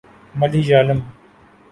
Malayalam